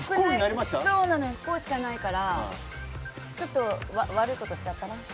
不幸しかないからちょっと悪いことしちゃったな。